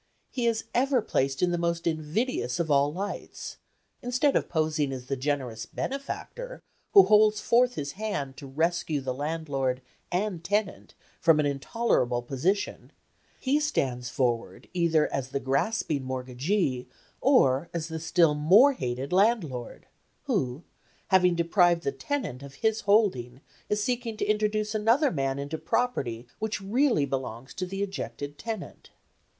He is ever placed in the most invidious of all lights; instead of posing as the generous benefactor who holds forth his hand to rescue the landlord and tenant from an intolerable position, he stands forward either as the grasping mortgagee or as the still more hated landlord, who, having deprived the tenant of his holding, is seeking to introduce another man into property which really belongs to the ejected tenant.